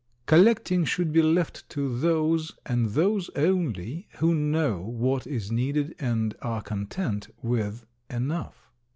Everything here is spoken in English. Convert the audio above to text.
Collecting should be left to those and those only who know what is needed and are content with enough.